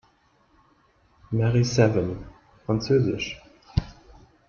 Merry Seven, frz.